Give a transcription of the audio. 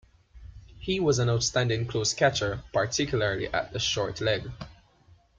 He was an outstanding close catcher, particularly at short leg.